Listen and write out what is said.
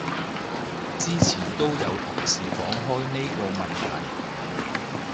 之前都有同事講開呢個問題